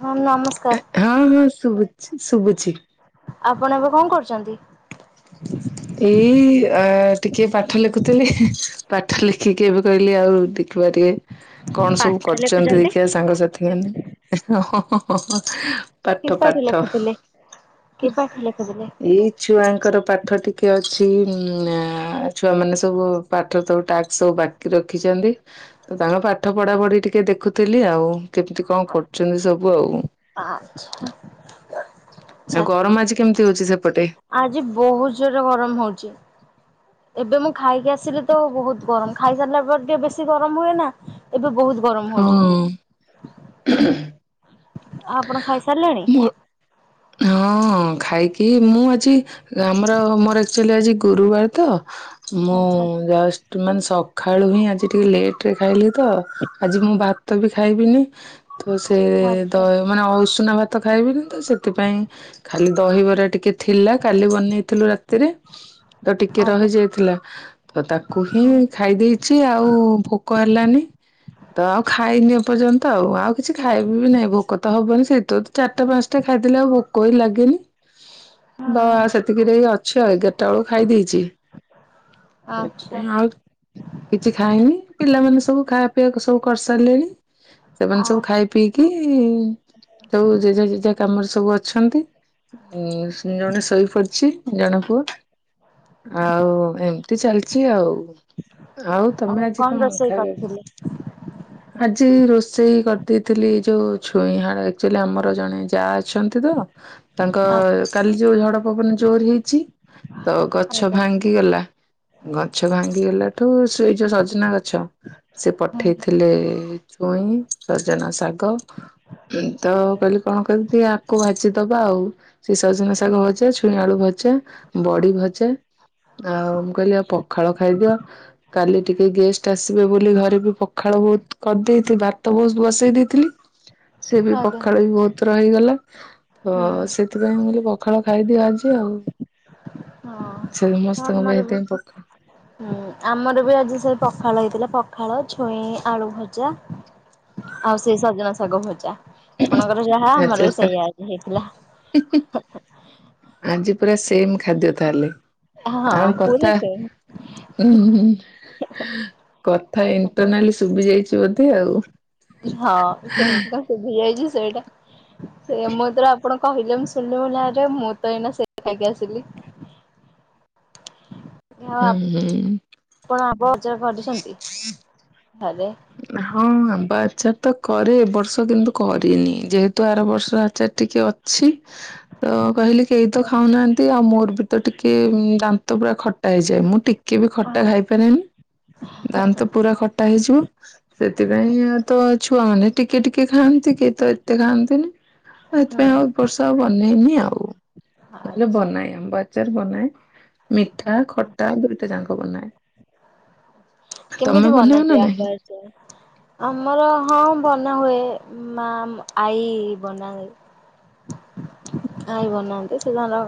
ହଁ ନମସ୍କ ହଁ ହଁ ଶୁବୁଛି ଶୁବୁଛି। ଆପଣ ଏବେ କଣ କରୁଚନ୍ତି? ଏଇ ଟିକେ ପାଠ ଲେଖୁଥିଲି ପାଠ ଲେଖିକିବେ କହିଲି ଆଉ ଦେଖିବା ଟିକେ। କଣ ସବୁ ପାଠ କରଚନ୍ତି ଲେଖୁଛନ୍ତି। ଦେଖିବା ସାଙ୍ଗସାଥି ମାନେ ପାଠ କି ପାଠ ଲେଖୁଥିଲେ କି ପାଠ ଲେଖୁଥିଲେ ଏଇ ଛୁଆଙ୍କର ପାଠ୍ ପାଠ ଟିକେ ଅଛି ଛୁଆମାନେ ସବୁ ପାଠ ସବୁ ଟାସ୍କ୍ ସବୁ ବାକି ରଖିଛନ୍ତି। ତାଙ୍କ ପାଠ ପଢ଼ାପଢ଼ି ଟିକେ ଦେଖୁଥିଲି ଆଉ। କେମିତି କଣ କରୁଛନ୍ତି ସବୁ ଆଉ ଆଚ୍ଛା ଆଚ୍ଛା। ଆଉ ଗରମ ଆଜି କେମିତି ହଉଛି ସେପଟେ? ଆଜି ବହୁତ୍ ଜୋରରେ ଗରମ ହଉଛି। ଏବେ ମୁଁ ଖାଇକି ଆସିଲି ତ ବହୁତ ଗରମ ଖାଇସାରିଲା ପରେ ଟିକେ ବେଶୀ ଗରମ ହୁଏ ନାଁ? ଏବେ ବହୁତ୍ ଗରମ ହଉଚି। ହଁ ଆଉ ଆପଣ ଖାଇସାରିଲେଣି? ମୋ ହଁ ଖାଇକି ମୁଁ ଆଜି ଆମର ମୋର ଆକ୍ଚୋଲି ଆଜି ଗୁରୁବାର ତ ମୁଁ ଆଚ୍ଛା ଜଷ୍ଟ ମାନେ ସକାଳୁ ହିଁ ଆଜି ଟିକେ ଲେଟ ରେ ଖାଇଲି ତ ଆଜି ମୁଁ ଭାତ ବି ଖାଇବିନି। ତ ସେ ଦ ଆଚ୍ଛା। ମାନେ ଅସୁନା ଭାତ ଖାଇବିନି ତ ସେ ସେଥିପାଇଁ ଖାଲି ଦହିବରା ଟିକେ ଥିଲା କାଲି ବନେଇଥିଲୁ ରାତିରେ ତ ଟିକେ ଆଜ୍ଞା ରହିଯାଇଥିଲା। ତ ତାକୁ ହିଁ ଖାଇ ଦେଇେଇଛି ଆଉ ଭୋକ ହେଲାନି। ତ ଆଉ ଖାଇନି ଏପର୍ଯ୍ୟନ୍ତ ଆଉ ଆଉ କିଛି ଖାଇବି ବି ନାହିଁ ଭୋକ ତ ହବନି ସେଇ ତ ଚାରିଟା ପାଞ୍ଚଟା ଖାଇଦେଲେ ଆଉ ଭୋକ ବି ଲାଗେନି ହଁ ବା ସେତିକିରେ ଅଛ ଏଗାରଟା ବେଳକୁ ଖାଇ ଦେଇେଇଛି ଆଚ୍ଛା ସେଥିପାଇଁ ଆଉ କିଛି ଖାଇନି ପିଲାମାନେ ସବୁ ଖାଇବା ପିଇବାକୁ ସବୁ କରିସାରିଲେଣି ସେମାନେ ଆଉ ସବୁ ଖାଇ ପଇକି ସବୁ ଜେଜୋ ଜେଜା କାମରେ ସବୁ ଅଛନ୍ତି ଉଁ ଜଣେ ଶୋଇ ପଡିଛି ଜଣେ ପୁଅ। ଆଉ ଏମିତି ଚାଲିଛି ଆଉ ଆଉ ତମେ ଆଜି କଣ ଖାଇ ଆଜି ରୋଷେଇ କରିଦେଇଥିଲି ଯୋଉ ଛୁଇଁ ହାଡ ଆକ୍ଚୋଲି ଆମର ଜଣେ ଯା ଅଛନ୍ତି ତ। ତାଙ୍କ କାଲି ଯୋଉ ଝଡ ପବନ ଜୋର ହେଇଛି ତ ଗଛ ଆଜ୍ଞା। ଭାଙ୍ଗି କିଗଲା ଗଛ ଭାଙ୍ଗିଗଲାଠୁ ସେଇ ଯୋଉ ସଜନା ଗଛ ସେ ଆଜ୍ଞା ପଠେଇଥିଲେ ଛୁଇଁ ସଜନା ଶାଗ। ତ କହିଲି କଣ କହି ଆକୁ ଭାଜିଦବା ଆଉ। ସେ ସଜନା ଶାଗ ଭଜା ଛୁଇଁଆଳୁ ଭଜା ବଡି ଭଜା। ଆଉ ମୁଁ କହିଲି ଆଚ୍ଛା। ପଖାଳ ଖାଇଦିଅ। କାଲି ଟିକେ ଗେଷ୍ଟ ଆସିବେ ବୋଲି ଘରେ ବି ପଖାଳ ବହୁତ୍ କରିଦେଇଥିଲି ଭାତ ବହୁ ବସେଇ ଦେଇଥିଲି। ସେ ବି ଆଜ୍ଞା। ପଖାଳୁ ବି ବହୁତ ର ହେଇଗଲା ତ ହୁଁ। ସେ ସେଥିପାଇଁ ମୁଁ ପଖାଳ ଖାଇଦିଅ ଆଜି ଆଉ ସେ ହଁ ସମସ୍ତଙ୍କ ଆମର ପାଇଁ ବି ସେଥିପାଇଁ ପଖା ହୁଁ ଆମର ବି ଆଜି ସେଇ ପଖାଳ ହେଇଥିଲା ପଖାଳ ଛୁଇଁ ଆଳୁ ଭଜା। ଆଉ ସେଇ ସଜନା ଶାଗ ଭଜା ଆପଣଙ୍କର ଯାହା ଆମର ବି ସେଇଆ ଆଜି ହେଇଥିଲା। ହୁଁ ହୁଁ ଆଜି ପୁରା ସେମ ଖାଦ୍ୟ ତାହେଲେ? ହଁ ଆମ କତା ପୁରା ସେମ୍। ଉଁ [unintelligible] କଥା ଇଣ୍ଟରନାଲି ଶୁଭିି ଯାଇଛି ବୋଧେ ଆଉ? ହଁ କେମିତି ତାଙ୍କୁ ସୁଭି ଯାଇଛି ସେଇଟା ସେୟା ମୁଁ ତର ଆପଣ କହିଲେ ମୁ ଶୁଣିଲି ମୁ ଆରେ ମୁଁ ତ ଏଇନା ସେ ଖାଇକି ଆସିଲି। ଆଉ ହୁଁ ହୁଁ। ଆପଣ [unintelligible] କଟୁଛନ୍ତି ହରେ। ହଁ ଆମ୍ବ ଆଚାର ତ କରେ ଏବ ବର୍ଷ କିନ୍ତୁ କରିନି ଯେହେତୁ ଆର ବର୍ଷ ଆଚାର ଟିକେ ଅ ଛି। ତ କହିଲି କେହି ତ ଖାଉନାହାନ୍ତି ଆଉ ମୋର ବି ତ ଟିକେ ଦାନ୍ତ ପୁରା ଖଟା ହେଇଯାଏ ମୁଁ ଟି କେ ବି ଖଟା ହଁ। ଖାଇପାରେନି ଦାନ୍ତ ପୁରା ଖଟା ହେଇଯିବ। ସେଥିପାଇଁ ଆ ଆଚ୍ଛା ତ ଛୁଆମାନେ ଟିକେ ଟିକେ ଖାଆନ୍ତି କି ତ ଏତେ ଖାଆନ୍ତିନି। ହୁଁ ସେଇଥିପାଇଁ ଆଉ ଏ ବର୍ଷା ଆଉ ବନେଇନି ଆଉ ନହେଲେ ଆଚ୍ଛା। ବନାଏ ଆମ୍ବ ଆ ଚାର ବନାଏ ମିଠା ଖଟା ଦୁଇଟି ଯାକ ବନାଏ। ତମେ ବନାଅ ନା ନାହିଁ? ଚ ଆମର ହଁ ବନା ହୁଏ ମା ମ ଆଈ ବନାଏ। ଆଇ ବନାନ୍ତି ସେ ତାର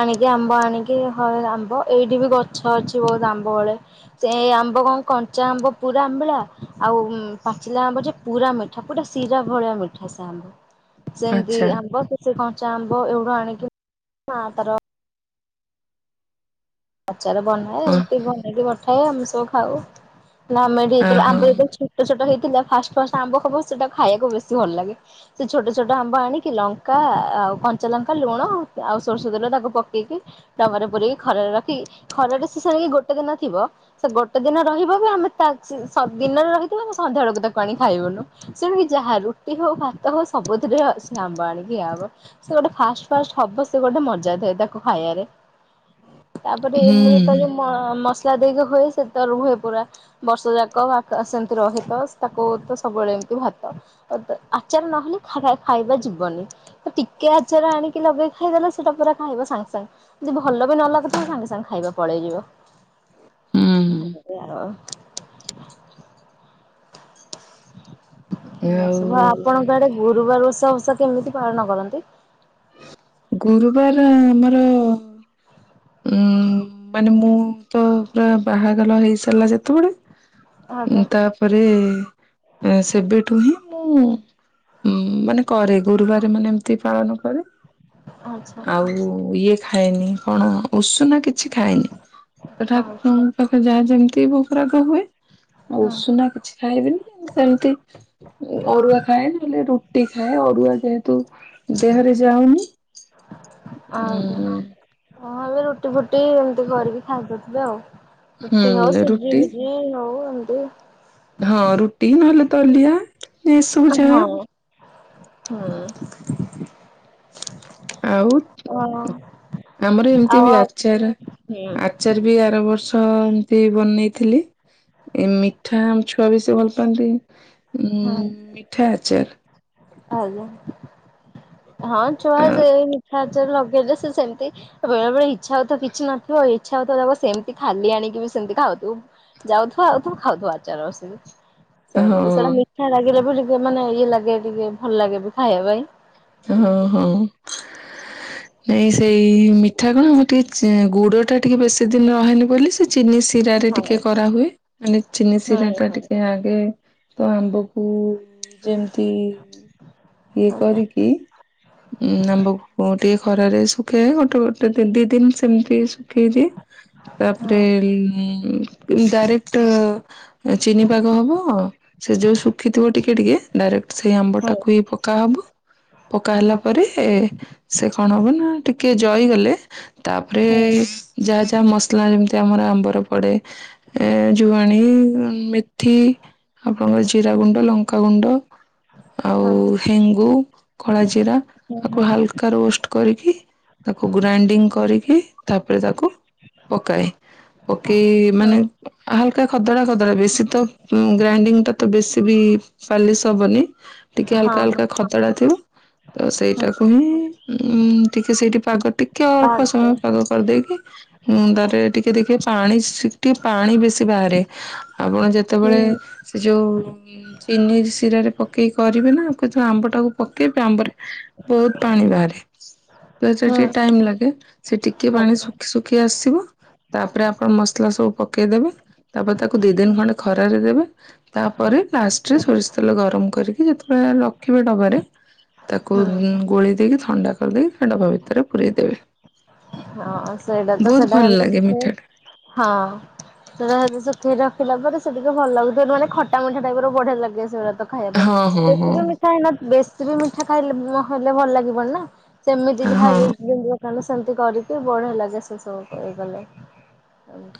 ଆଣିକି ଆମ୍ବ ଆଣିକି ହ ଆମ୍ବ ଏଇଠି ବି ଗଛ ଅଛି ବହୁତ ଆମ୍ବ ବଳେ। ସେ ଆ ଆମ୍ବ କଣ କଞ୍ଚା ଆମ୍ବ ପୁରା ଆମ୍ବିଳା ଆଉ ପାଚିଲା ଆମ୍ବ ଯେ ପୁରା ମିଠା ପୁରା ଶିରା ଭଳିଆ ମି ଖସେ ଆମ୍ବ ସେମିତି ଆଚ୍ଛା ଆମ୍ବ କି ସେ କଞ୍ଚା ଆମ୍ବ ଏଗୁଡୁ ଆଣିକି ମାତାର ଆଚାର ବନାଏ ଓ ଏମିତି ବନେଇକି ବଠାଏ ଆମେ ସବୁ ଖାଉ ନା ଆମେ ଓହୋ [unintelligible] ଛୋଟ ଛୋଟ ହେଇଥିଲା ଫାଷ୍ଟ ଫାଷ୍ଟ ଆମ୍ବ ସବୁ ସେଟା ଖାଇବାକୁ ବେଶୀ ଭଲ ଲାଗେ। ସେ ଛୋଟ ଛୋଟ ଆମ୍ବ ଆଣିକି ଲଙ୍କା ଆଉ କଞ୍ଚା ଲଙ୍କା ଲୁଣ ଆଉ ସୋରଷ ତେଲ ତାକୁ ପକେଇକି ଡବାରେ ପୁରେଇକି ଖରାରେ ରଖିକି ଖରାରେ ସେଷିକି ଗୋଟେ ଦିନ ଥିବ ସେ ଗୋଟେ ଦିନ ରହିବ ବି ଆମେ ତା ସେ ସ ଦିନରେ ରହିିଥିବ ଆମେ ସନ୍ଧ୍ୟା ବେଳକୁ ତାକୁ ଆଣି ଖାଇବୁନୁ। ସେଣିକି ଯାହା ରୁଟି ହଉ ଭାତ ହଉ ସବୁଥିରେ ଅ ସ ଆମ୍ବ ଆଣିକି ଖିଆ ହବ। ସେ ଗୋଟେ ଫାଷ୍ଟ ଫାଷ୍ଟ ହବ ସେ ଗୋଟେ ମଜା ଥାଏ ତାକୁ ଖାଇବାରେ। ତାପରେ ଏମିତି ତ ହୁଁ। ଯୋଉ ମ ମସଲା ଦେଇକି ହୁଏ ସେ ତ ରୁହେ ପୁରା। ବର୍ଷ ଯାକ ଆକା ସେମତି ରହେତ ତାକୁ ତ ସବୁବେଳେ ଏମତି ଭାତ। ଆତ ଆଚାର ନହେଲେ ଖା ଖାଇବା ଯିବନି। ତ ଟିକେ ଆଚାର ଆଣିକି ଲଗେଇ ଖାଇଦେଲେ ସେଟା ପୁରା ଖାଇବ ସାଙ୍ଗେ ସାଙ୍ଗେ ଯଦି ଭଲ ବି ନ ଲାଗୁ ସାଙ୍ଗେ ସାଙ୍ଗେ ଖାଇବା ପଳେଇଯିବ ହୁଁ ଏମିତି ଆଉ। ଏଇଆ ଆଉ ସବୁ ଆପଣଙ୍କ ଆଡେ ଗୁରୁବାର ଉତ୍ସବ ଓଷା କେମିତି ପାଳନ କରନ୍ତି? ଗୁରୁବାର ଆମର ଉଁ ମାନେ ମୁଁ ତ ପୁରା ବାହାଘଲ ହେଇସାରିଲା ଯେତେବେଳେ ଆଜ୍ଞା ଉଁ ତା ପରେ ଏ ସେବେଠୁ ହିଁ ମୁଁ ଉଁ ମାନେ କରେ ଗୁରୁବାର ମାନେ ଏମିତି ପାଳନ କରେ। ଆଚ୍ଛା ଆଉ ଇଏ ଖାଏନି କଣ ଉଷୁନା କିଛି ଖାଏନି। ତ ଆଚ୍ଛା ଠାକୁରଙ୍କ ପାଖରେ ଯାହା ଯେମିତି ଭୋକରାଗ ହୁଏ ଆଉ ହଁ ଉଷୁନା କିଛି ଖାଇବିନି ସେମତି ଅରୁଆ ଖାଏ ନହେଲେ ରୁଟି ଖାଏ ଅରୁଆ ଯେହେତୁ ଦେହରେ ଯାଉନି ଆ ଉଁ ହଁ ଏବେ ରୁଟି ଫୁଟି ଏମିତି କରିକି ଖାଇପାରୁଥିବେ ଆଉ। ରୁଟି ହେଉ ହୁଁ ସୁଜି ରୁଟି ଭୁଜିି ହଉ ଏମିତି। ହଁ ରୁଟି ନ ହେଲେ ତ ଦଲିଆ। ଏସବୁ ଯାହା ହଁ ହୁଁ। ଆଉ ଆଉ ଆମର ଏମିତି ଆଉ ବି ହଁ ଆଚାର ଆ ଚାର ବି ଆର ବର୍ଷ ଏମତି ବନେଇଥିଲି। ଏ ମିଠା ଆମ ଛୁଆ ବି ସେ ଭଲ ପାଆନ୍ତି ଉ ମିଠା ଆଚାର। ହ। ହଁ ଛୁଆ ଯେ ମିଠା ଆଚାର ଲଗେଇଲେ ସେ ସେମତି ବେଳେ ବେଳେ ଇଚ୍ଛା ହଉତ କିଛି ନଥିବ ଇଚ୍ଛାଉ ସେମିତି ଖାଲି ଆଣିକି ବି ସେମିତି ଖାଉଥିବୁ। ଯାଉଥିବ ଆଉଥିବୁ ଖାଉଥିବା ଆଚାର ବଶିକି। ଆ ହଁ ସେମିତି ସେଇଟା ମିଠା ଲାଗିଲେ ବି ଟିକେ ମାନେ ଇଏ ଲାଗେ ଟିକେ ଭଲ ଲାଗେ ବି ଖାଇବା ପାଇଁ। ହଁ ହଁ। ନାଇଁ ସେଇ ମିଠା କଣ ମୁଁ ଟିକେ ଗୁଡ ଟା ଟିକେ ବେଶୀ ଦିନ ରହେନି ବୋଲି ସେ ଚିନିି ସି ରା ରେ ଟିକେ ହଁ କରାହୁଏ ମାନେ ଚିନି ଶିରା ହଁ ଟା ହଁ। ଟିକେ ଆଗେ ତ ଆମ୍ବକୁ ଯେମିତି ଇଏ ଆଜ୍ଞା କରିକି ଉଁ ଆମ୍ବକୁ ଟିକେ ଖରାରେ ଶୁଖେ ଗୋଟେ ଗୋଟେ ଦି ଦିନ ସେମିତି ପକେଇଦିଏ ତାପରେ ହଁ। ଡାଇରେକ୍ଟ ଚିନି ପାଗ ହବ ସେ ଯୋଉ ଶୁଖିଥିବ ଟିକେ ଟିକେ ଡାଇରେକ୍ଟ ସେଇ ହଁ ଆମ୍ବଟାକୁ ହିଁ ପକାହବ। ପକା ହେଲା ପରେ ସେ କଣ ହବ ନା ଟିକେ ଜଇଗଲେ ତାପରେ ହଁ। ଯାହା ଯାହା ମସଲା ଯେମିତି ଆମର ଆମ୍ବର ପଡେ। ଏ ଜୁଆଣୀ ମେଥି ଆପଣଙ୍କର ଜିରା ଗୁଣ୍ଡ ଲଙ୍କାଗୁଣ୍ଡ ଆଉ ହଁ ହେଙ୍ଗୁ କଳା ଜିରା ହଁ ଆକୁ ହାଲକା କା ରୋଷ୍ଟ କରିକି ତାକୁ ଗ୍ରାଇଣ୍ଡିଙ୍ଗ କରିକି ତାପରେ ତାକୁ ପକାଏ ପକେଇ ହଁ ମାନେ ହାଲକା ଖଦଡା ଖଦଡା ବେଶୀ ତ ଗ୍ରାଇଣ୍ଡିଙ୍ଗ ଟା ତ ବେଶୀ ବି ପାଲିସ ହବନି। ଟିକେ ହଲକା ହଁ ଅଲକା ଖତଡା ଥିବ ତ ହୁଁ ସେଇଟାକୁ ହିଁ। ଉ ଟିକେ ସେଇଠି ପାଗ ଟିକେ ଅଳ୍ପ ପାଗ ସମୟ ପାଗ। କରିଦେଇକି ତାରେ ଟିକେ ଦେଖିବେ ପାଣି ଟିକେ ପାଣି ବେଶୀ ବାହାରେ। ଆପଣ ଯେତେବେଳେ ହୁଁ ସେ ଯୋଉ ଚିନି ଶିରାରେ ପକେଇକି କରିବେ ନା ଯଉ ଆମ୍ବ ଟାକୁ ପକେଇବା ଆମ୍ବରେ ବହୁତ ପାଣି ବାହାରେ ତ ସେ ହୁଁ ଟିକେ ଟାଇମ ଲାଗେ। ସେ ଟିକେ ପାଣି ଆଜ୍ଞା ଶୁଖି ଶୁଖି ଆସିବ। ତାପରେ ଆପଣ ମସଲା ସବୁ ପକେଇଦବେ ତାପରେ ତାକୁ ଦି ଦିନ ଖଣ୍ଡେ ଖରାରେ ଦେବେ। ତାପରେ ଲାଷ୍ଟରେ ସୋରିଷ ତେଲ ଗରମ କରିକି ଯେତେବେଳେ ଡବାରେ ତାକୁ ହୁଁ ଗୋଳି ଦେଇକି ଥଣ୍ଡା କରିଦେଇକି ସେ ଡବା ଭିତରେ ପୁରରେଇଦବେ। ହଁ ସେଇଟା ତ ଭଲ ସେଟାମତି ଲାଗେ ମିଠା ହଁ। ସେଖକି ରଖିଲା ପରେ ସେ ଟିକେ ଭଲ ଲାଗିବ ମାନେ ଖଟା ମୁଣ୍ଠା ଟାଇପ ର ବଢିଆ ଲାଗେ ସେଇଗଳିା। ଖାଇବା ଟା ହଁ ପାଇଁ ହଁ ବେଶୀ ବି ହଁ ମିଠା ବେଶୀ ବି ମିଠା ଖାଇଲେ ହେଲେ ଭଲ ଲାଗିବନି ନା। ସେମିତି ଯାହା ହଁ ଦଣ୍ଡ ସେମିତି କରିକି ବଢେଇଲାାଗା ସେ ସବୁ କହିଗଲେ।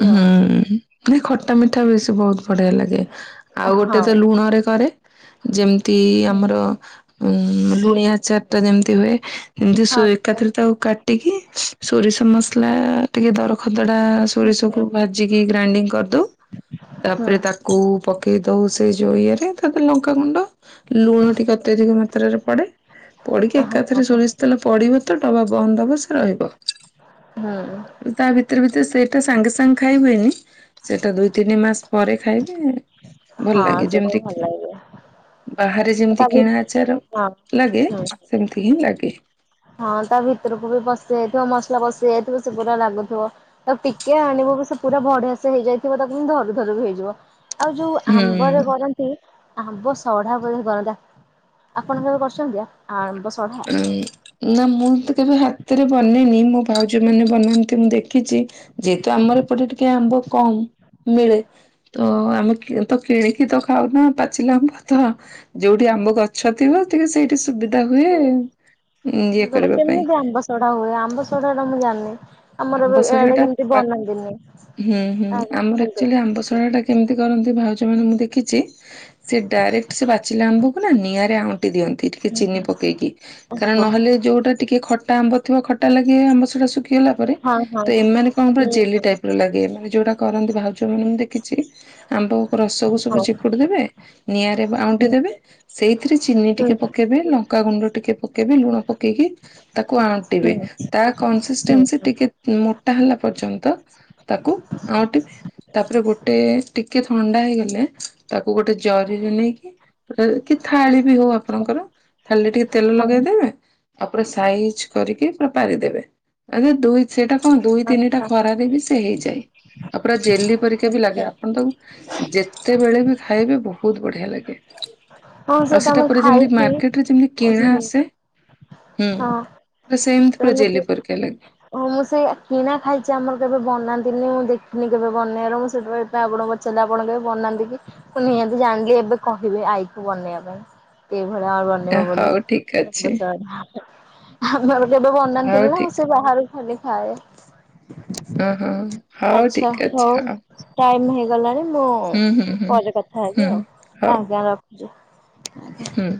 ହୁଁ ମାନେ ଖଟା ମିଠା ବେଶୀ ବହୁତ ବଢିଆ ଲାଗେ। ଆଉ ଗୋଟେ ତ ହଁ ଲୁଣରେ କରେ ଯେମିତି ହୁଁ ଆମର ଉ। ଲଣିଆ ଆଚାରଟା ଯେମିତି ହୁଏ ଯେମିତି ସୁ ହଁ ଏକାଥରେ ତାକୁ କାଟିକି ସୋରିଷ ମସଲା ଟିକେ ଦରଖଦଡ଼ା ସୋରିଷକୁ ହୁଁ ଭାଜିକି ଗ୍ରାଇଣ୍ଡିଙ୍ଗ କରିଦଉ ହୁଁ ତାପରେ ତା କୁ ପକେଇ ଦଉ ସେ ଳଯୋଉ ଇଏରେ ତାପରେ ଲଙ୍କାଗୁଣ୍ଡ ଲୁଣ ଟିକେ ଅତ୍ୟଧିକ ମାତ୍ରାରେ ପଡ଼େ ପଡ଼ିକି ହଁ ଏକାଥରେ ସୋରିଷ ତେଲ ପଡ଼ିବତ ଡବା ବନ୍ଦ ହବ ସେରହିବ। ହୁଁ। ତା ଭିତରେ ଭିତରେ ସେଇଟା ସାଙ୍ଗେ ସାଙ୍ଗେ ଖାଇ ହୁଏନି ସେଇଟା ଦୁଇ ତିନି ମାସ ପରେ ଖାଇବେ ଭଲ ହଁ ଲାଗେ ସେଇଟା ବି ଭଲ ଯେମିତି ଲାଗିବ ବାହାରେ ତା ଯେମିତି ଭି କିଣା ଆଚାର ହଁ ଲାଗେ ହୁଁ ସେମିତିହିଁ ଲାଗେ। ହଁ ତା ଭିତରକୁବି ପଶି ଯାଇଥିବ ମସଲା ପଶି ଯାଇଥିବ ସେପୁରା ଲାଗୁଥିବ ତାକୁ ଟିକେ ଆଣିବବି ସେପୁରା ବଢିଆସେ ହେଇଯାଇଥିବ ତାକୁ ଧରୁ ଧରୁବି ହେଇଯିବ ଆଉ ଯୋଉ ଆମ୍ବରେ ହୁଁ। କରନ୍ତି ଆମ୍ବ ସଢା ବ ସରାଟା ଆପଣ କେବେ କରିଚନ୍ତି ଆ ଉଁ ନା ମୁଁତ କେବେ ହାତରେ ବନେଇନି ମୋ ଭାଉଜୀ ମାନେ ବନାନ୍ତି ମୁଁ ଦେଖିଚି ଯେହେତୁ ଆମର ଏପଟେ ଟିକେ ଆମ୍ବ କମ୍ ମିଳେ ତଆମେ କି ତକିଣି ତ ଖାଉନା ପାଚିଲା ଆମ୍ବ ତଯୋଉଠି ଆମ୍ବ ଗଛ ଥିବ ଟିକେ ସେଇଠି ସୁବିଧା ବିଧା ହୁଏ ଇଏ କରିବା ପାଇଁ। ସଢ଼ା ହୁଏ ଆମ୍ବ ଶଢାଟା ମୁଁ ଜାଣିନି। ଆମର ଏବେ ଆମ୍ବ ଇଆଡେ ଶଢାଟା କେମିତି ପାକ୍ ବନାନ୍ତିନି ହୁଁ ହୁଁ ଆଉ ଆମର କୁହନ୍ତୁ। ଆକ୍ଚୁଆଲି ଆମ୍ବ ଶଢାଟା କେମିତି କରନ୍ତି ଭାଉଜମାନେ ମୁଁ ଦେଖିଚି ସେ ଡାଇରେକ୍ଟ ସେବାଚିଲା ଆମ୍ବକୁନା ନିଆଁରେ ଆଉଟି ଦିଅନ୍ତି ଟିକେ ଚିନି ପକେଇକି କାରଣ ଓହୋ ନହେଲେ ଯୋଉଟା ଟିକେ ଖଟା ଆମ୍ବ ଥିବ ଖଟା ଲାଗି ଆମ୍ବ ସଡ଼ା ଶୁଖିଗଲାପରେ ହଁ ହଁ ତ ଏମାନେ କଣ ପୁରା ହୁଁ ଜେଲି ହୁଁ ଟାଇପର ଲାଗେ ମାନେ ଯୋଉଟା କରନ୍ତି ଭାଉ ଯଉ ମାନଙ୍କୁଁ ଦେଖିଚି ଆମ୍ବ ରସକୁ ସବୁ ହଉ ଚିପୁଡ଼ି ଦେବେ ନିଆଁରେ ଆଉଁଟି ହୁଁ ଦେବେ ସେଇଥିରେ ଚିନି ହୁଁ ଟିକେ ପକେଇବେ ଲଙ୍କାଗୁଣ୍ଡ ଟିକେ ପକେଇବେ ଲୁଣ ପକେଇକି ତାକୁ ଆଣ୍ଟିବେ ହୁଁ ହୁଁ। ହୁଁ ତାକନସିଷ୍ଟେନ୍ସି ହୁଁ ଟିକେ ମୋଟା ହେଲା ପର୍ଯ୍ୟନ୍ତ ତାକୁ ଆଉଟି ତାପରେ ଗୋଟେ ଟିକେ ଥଣ୍ଡା ହେଇଗଲେ ତାକୁ ଗୋଟେ ଜରିରୁ ନେଇକି କି ଥାଳିବି ହଉ ଆଚ୍ଛା ଆପଣଙ୍କର ଥାଳିରେ ଟିକେ ତେଲ ହଁ ଲଗେଇଦେବେ ଆଉ ପୁରା ସାଇଜ୍ କରିକି ପୁରା ପାରିଦେବେ ଦୁଇ ସେଇଟା କଣ ଦୁଇ ତିନିଟା ଆଚ୍ଛା ଖରାରେବି ସେହେଇଯାଏ ଆଉ ପୁରା ଜେଲି ପରିକାବି ଆଚ୍ଛା ଲାଗେ ଆପଣ ତାକୁ ଯେତେବେଳେବି ଖାଇବେ ବହୁତ୍ ବଢ଼ିଆ ଲାଗେ। ହଁ ସେ ଆଉ ତ ସେଟା ମୁଁ ପୁରା ଯେମିତି ଖାଇଛି। ମାର୍କେଟରେ ଯେମିତି କିଣା ହୁଁ ଆସେ ହୁଁ ହଁ। ପୁରା ସେମିତି ପୁରା ଜେଲି ପରିକା ଲାଗେ। ହଁ ମୁଁ ସେଇ କିଣା ଖାଇଚି ଆମର କେବେ ବନାନ୍ତିନି ମୁଁ ଦେଖିନି କେବେ ବନେଇବାର ମୁଁ ସେଇଥିପାଇଁ ଆପଣଙ୍କୁ ପଚାରିଲେ ଆପଣ କେବେ ବନାନ୍ତିକି ମୁ ନିହାତି ଜାଣିଲି ଏବେ କହିବି ଆଈକୁ ବନେଇବା ପାଇଁ। ସେଭଳିଆ ଆଈ ବନେଇବ ହଉ ଠିକ ଅଛି ବୋଲି। ଆମର କେବେ ହଉ ବନାନ୍ତିନିନା ମୁଁ ଠିକ ସେ ବାହାରକୁ ଖାଲି ଖାଏ। ଓହୋ ହଉ ଠିକ୍ ଅଛି ହଉ। ଟାଇମ୍ ହେଇଗଲାଣି ମୁଁ ହୁଁ ପରେ କଥା ହୁଁ ହେବି ଆଉ ହଉ ଆଜ୍ଞା ରଖୁଚି। ହୁଁ।